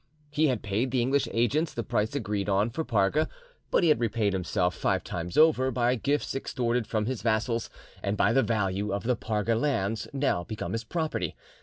He had paid the English agents the price agreed on for Parga, but he repaid himself five times over, by gifts extorted from his vassals, and by the value of the Parga lands, now become his property.